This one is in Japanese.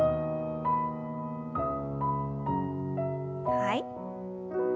はい。